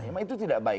emang itu tidak baik